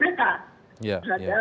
begitu mas sidra